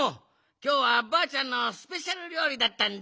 きょうはばあちゃんのスペシャルりょうりだったんだ。